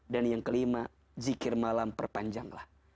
dan yang kelima zikir malam perpanjanglah